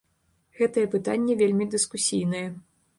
Гэтае пытанне вельмі дыскусійнае.